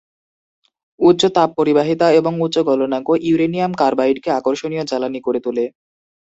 উচ্চ তাপ পরিবাহিতা এবং উচ্চ গলনাঙ্ক ইউরেনিয়াম কার্বাইডকে আকর্ষণীয় জ্বালানি করে তোলে।